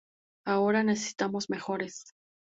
Ahora, necesitamos mejores".